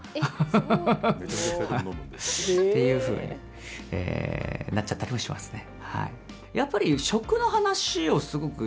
っていうふうになっちゃったりもしますね。